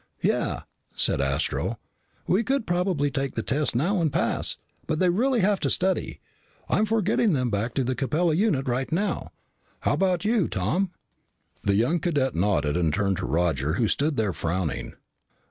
"Yeah," said Astro. "We could probably take the tests now and pass, but they really have to study. I'm for getting them back to the Capella unit right now. How about you, Tom?" The young cadet nodded and turned to Roger who stood there, frowning.